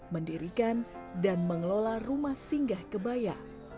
mendirikan dan mengelola rumah singgah kebaya